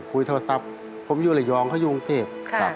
คุยโทรศัพท์ผมอยู่ระยองเขาอยู่กรุงเทพ